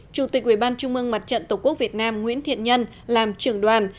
chủ tịch ủy ban trung mương mặt trận tổ quốc việt nam nguyễn thiện nhân làm trưởng đoàn